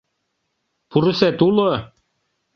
Пурысет уло?